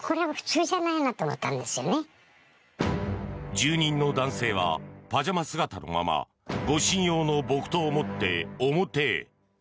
住人の男性はパジャマ姿のまま護身用の木刀を持って表へ。